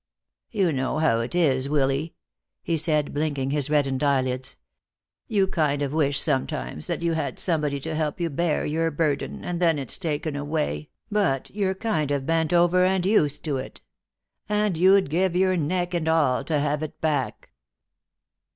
"You know how it is, Willy," he said, blinking his reddened eyelids. "You kind of wish sometimes that you had somebody to help you bear your burden, and then it's taken away, but you're kind of bent over and used to it. And you'd give your neck and all to have it back."